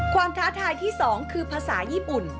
ท้าทายที่๒คือภาษาญี่ปุ่น